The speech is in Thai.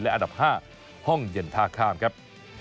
อันดับ๕ห้องเย็นท่าข้ามครับ